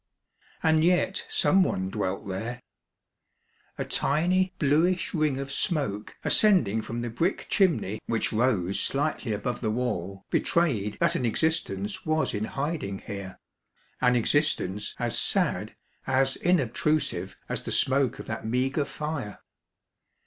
And yet some one dwelt there. A tiny bluish ring of smoke ascending from the brick chimney which rose slightly above the wall, betrayed that an existence was in hiding here, — an existence as sad, as inobtrusive as the smoke of that meagre fire.